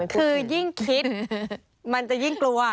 คือยิ่งคิดมันจะยิ่งกลัว